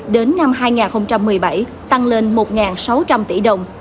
đến năm hai nghìn một mươi bảy tăng lên một sáu trăm linh tỷ đồng